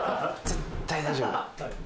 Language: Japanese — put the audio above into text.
絶対大丈夫。